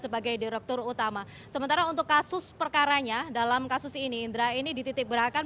sebagai direktur utama sementara untuk kasus perkaranya dalam kasus ini indra ini dititip gerakan